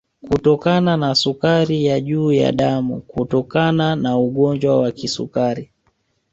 Kutokana na sukari ya juu ya damu kutokana na ugonjwa wa kisukari